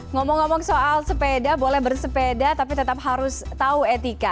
ngomong ngomong soal sepeda boleh bersepeda tapi tetap harus tahu etika